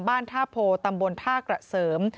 บ้านท่าโพตำบลท่ากระเสริม